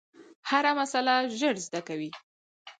هره مسئله ژر زده کوي.